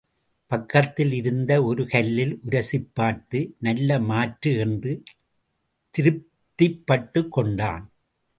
பக்கத்தில் இருந்த ஒரு கல்லில் உரசிப்பார்த்து, நல்ல மாற்று என்று திருப்திப்பட்டுக் கொண்டான்.